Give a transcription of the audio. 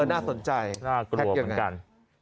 น่าสนใจน่ากลัวเหมือนกัน